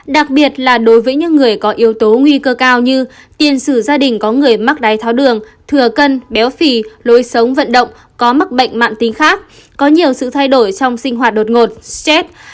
đặc biệt là đối với những người có yếu tố nguy cơ cao như tiền sử gia đình có người mắc đáy tháo đường thừa cân béo phì lối sống vận động có mắc bệnh mạng tính khác có nhiều sự thay đổi trong sinh hoạt đột ngột stress